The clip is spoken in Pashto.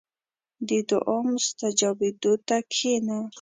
• د دعا مستجابېدو ته کښېنه.